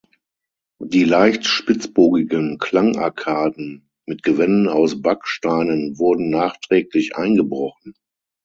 Die leicht spitzbogigen Klangarkaden mit Gewänden aus Backsteinen wurden nachträglich eingebrochen.